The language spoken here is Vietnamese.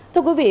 thưa quý vị